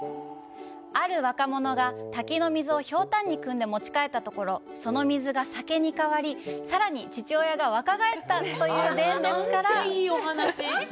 ある若者が滝の水をひょうたんにくんで持ち帰ったところ、その水が酒に変わり、さらに父親が若返ったという伝説から。